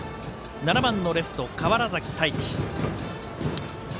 ７番のレフト、川原崎太一。